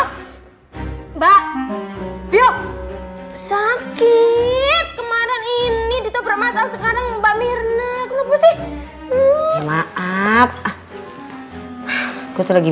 mbak biok sakit kemarin ini ditobrak masal sekarang mbak mirna kenapa sih maaf aku lagi